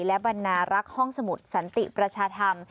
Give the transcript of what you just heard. และบรรณารักห้องสมุทรสันติประชาธรรม